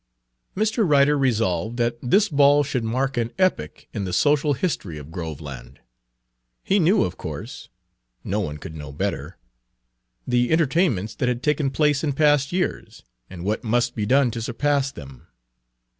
Mr. Ryder resolved that this ball should mark an epoch in the social history of Groveland. He knew, of course, no one could know better, the entertainments that had Page 7 taken place in past years, and what must be done to surpass them.